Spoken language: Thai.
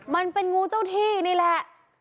มันเป็นงูเจ้าที่นี่แหละ